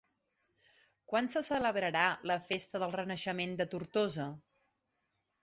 Quan se celebrarà La Festa del Renaixement de Tortosa?